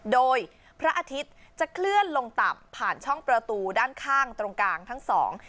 โดยพระอาทิตย์จะเคลื่อนลงตับผ่านช่องประตูด้านข้างตรงกลางทั้งสอง